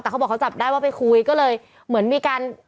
แต่เขาบอกเขาจับได้ว่าไปคุยก็เลยเหมือนมีการ